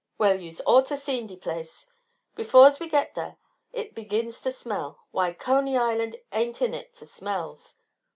"Well, yuse oughter seen de place. Before wese gets dare it begins to smell why, Coney Island ain't in it fer smells.